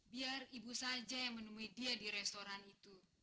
biar ibu saja yang menemui dia di restoran itu